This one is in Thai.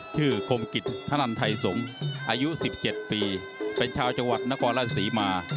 คมกิจธนันไทยสงศ์อายุ๑๗ปีเป็นชาวจังหวัดนครราชศรีมา